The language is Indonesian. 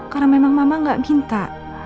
karena memang mama gak minta